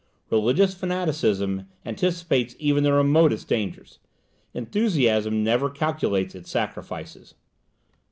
Religious fanaticism anticipates even the remotest dangers. Enthusiasm never calculates its sacrifices.